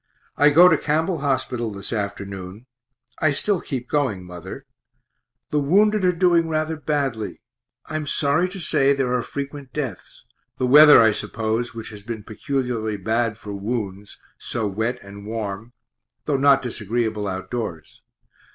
I go to Campbell hospital this afternoon I still keep going, mother. The wounded are doing rather badly; I am sorry to say there are frequent deaths the weather, I suppose, which has been peculiarly bad for wounds, so wet and warm (though not disagreeable outdoors).